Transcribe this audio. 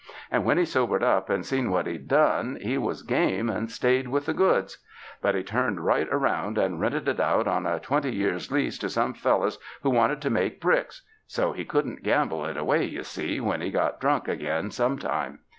And when he sobered up and seen what he'd done, he was game and stayed with the goods; but he turned right around and rented it out on a twenty years' lease to some fellows who wanted to make bricks — so he couldn't gamble it away, you see, when he got drunk again sometime.